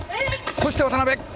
そして渡辺。